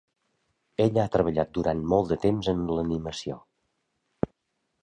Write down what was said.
Ella ha treballat durant molt de temps en l'animació.